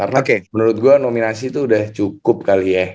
karena menurut gue nominasi tuh udah cukup kali ya